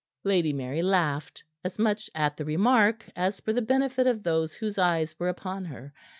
Lady Mary laughed, as much at the remark as for the benefit of those whose eyes were upon her.